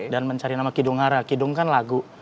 dan mencari nama kidung hara kidung kan lagu